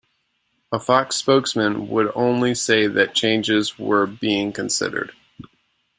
A Fox spokesman would only say that changes were being considered.